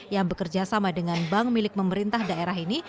yang bekerja sama dengan bank milik pemerintah daerah ini